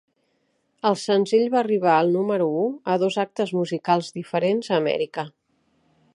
El senzill va arribar al número u a dos actes musicals diferents a Amèrica.